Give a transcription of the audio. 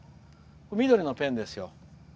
緑のペンですよ。